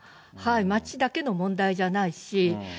町だけの問題じゃないし。